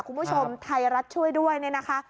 คุณผู้ชมไทรัตช่วยด้วยนะคะ